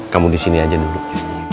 kamu di sini aja duduk